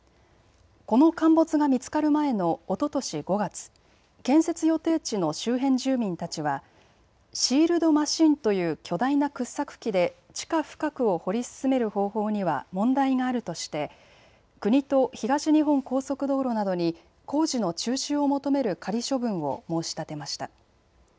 この陥没が見つかる前のおととし５月、建設予定地の周辺住民たちはシールドマシンという巨大な掘削機で地下深くを掘り進める方法には問題があるとして、国と東日本高速道路などに工事の中止を求める仮処分を申し立てました。